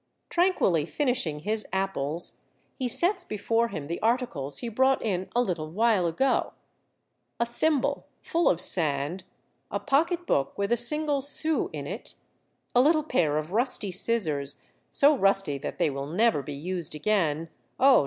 Tranquilly finishing his apples, he sets before him the articles he brought in a little while ago. A thimble, full of sand, a pocketbook with a single sou in it, a little pair of rusty scissors, so rusty that they will never be used again, oh